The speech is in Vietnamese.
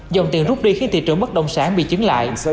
dòng tiền rút đi khiến thị trường bất động sản bị chứng lại